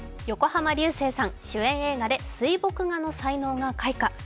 横浜流星さん、主演映画で水墨画の才能が開花。